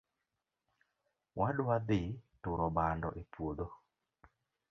Wadwa dhi turo bando e puodho